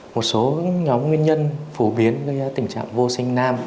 một số nhóm nguyên nhân phổ biến gây ra tình trạng vô sinh nam